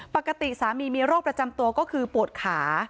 ปกติสามีมีโรคประจำตัวก็คือปวดขา